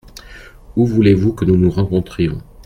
Où voulez-vous que nous nous rencontrions ?